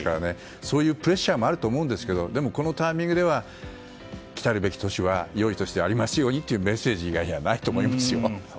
そういうプレッシャーもあると思うんですけどでもこのタイミングでは来たるべき年は良い年でありますようにというメッセージ以外はないと思いますよ。